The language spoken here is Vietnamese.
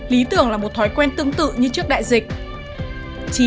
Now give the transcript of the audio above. lý tưởng là một thói quen tương tự như trước đại dịch